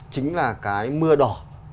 chính là cái mưa đỏ